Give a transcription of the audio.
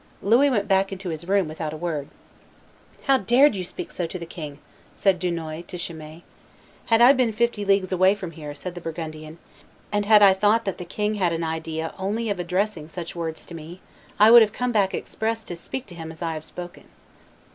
Louis went back into his room without a word. "How dared you speak so to the king," said Dunois to Chimay. "Had I been fifty leagues away from here," said the Burgundian, "and had I thought that the king had an idea only of addressing such words to me, I would have come back express to speak to him as I have spoken."